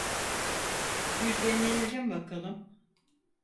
Bir deneyelim bakalım.